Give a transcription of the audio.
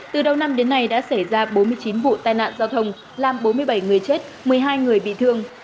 từ đầu năm đến nay đã xảy ra bốn mươi chín vụ tai nạn giao thông làm bốn mươi bảy người chết một mươi hai người bị thương